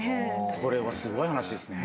これはすごい話ですね。